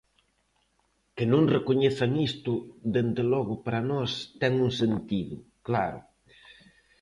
Que non recoñezan isto dende logo para nós ten un sentido, claro.